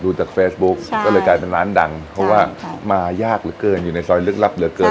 จากเฟซบุ๊กก็เลยกลายเป็นร้านดังเพราะว่ามายากเหลือเกินอยู่ในซอยลึกลับเหลือเกิน